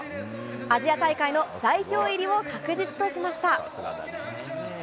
アジア大会の代表入りを確実としました。